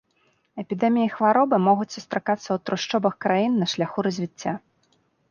Эпідэміі хваробы могуць сустракацца ў трушчобах краін на шляху развіцця.